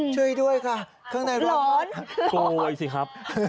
ช่วยด้วยค่ะร้อนโก๊ยซิครับ